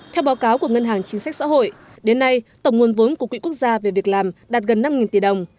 theo báo cáo của ngân hàng chính sách xã hội đến nay tổng nguồn vốn của quỹ quốc gia về việc làm đạt gần năm tỷ đồng